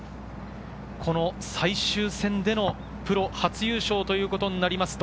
この最終戦でのプロ初優勝ということになると